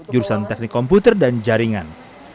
jurusan teknik komputer dan jaringan